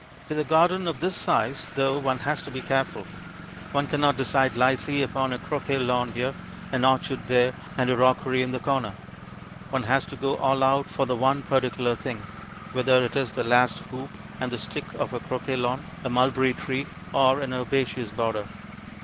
With a garden of this size, though, one has to be careful. One cannot decide lightly upon a croquet lawn here, an orchard there, and a rockery in the corner; one has to go all out for the one particular thing, whether it is the last hoop and the stick of a croquet lawn, a mulberry tree, or an herbaceous border.